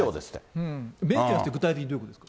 メンテナンスって具体的にどういうことですか？